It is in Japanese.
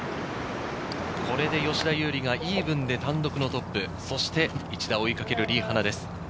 これで吉田優利がイーブンで単独のトップ、そして１打追いかけるリ・ハナです。